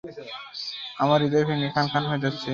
আমার হৃদয় ভেঙে খানখান হয়ে যাচ্ছে।